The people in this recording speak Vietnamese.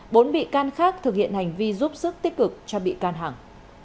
bốn bị can khác thực hiện hành vi giúp sức tích cực cho bị can hằng